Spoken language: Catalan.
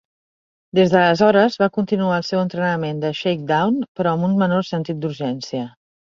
Des d'aleshores, va continuar el seu entrenament de shakedown, però amb un menor sentit d'urgència.